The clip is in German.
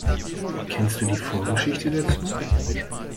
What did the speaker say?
Kennst du die Vorgeschichte dazu?